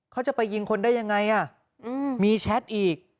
เขาจะไปยิงคนได้ยังไงมีแชทอีก